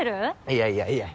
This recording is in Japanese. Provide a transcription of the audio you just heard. いやいやいや。